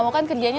biar enak ya